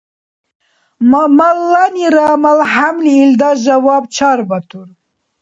Малланира малхӀямли илдас жаваб чарбатур.